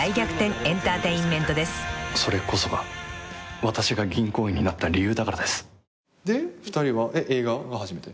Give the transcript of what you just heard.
「それこそが私が銀行員になった理由だからです」で２人は映画が初めて？